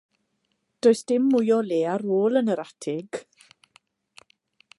Does dim mwy o le ar ôl yn yr atig.